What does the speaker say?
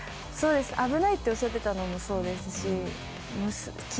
危ないっておっしゃってたのもそうですし。